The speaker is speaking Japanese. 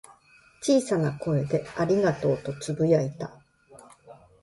小さな声で「ありがとう」とつぶやいた。